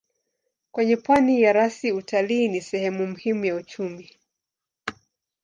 Kwenye pwani ya rasi utalii ni sehemu muhimu ya uchumi.